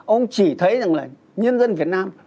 ông chỉ thấy rằng là nhân dân việt nam